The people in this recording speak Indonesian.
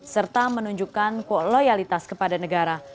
serta menunjukkan loyalitas kepada negara